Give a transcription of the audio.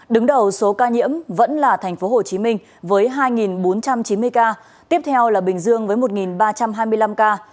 đứng đầu số ca nhiễm vẫn là tp hcm với hai bốn trăm chín mươi ca tiếp theo là bình dương với một ba trăm hai mươi năm ca